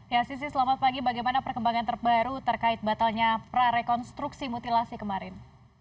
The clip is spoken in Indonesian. ya sisi selamat pagi bagaimana perkembangan terbaru terkait batalnya prarekonstruksi mutilasi kemarin